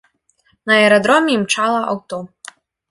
На аэрадроме імчала аўто.